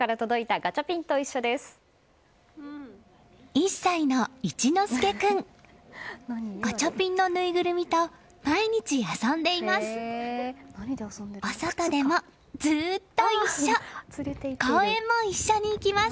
ガチャピンのぬいぐるみと毎日遊んでいます。